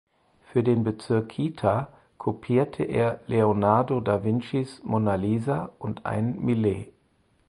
Für den Bezirk Kita kopierte er Leonardo da Vincis „Mona Lisa“ und einen Millet.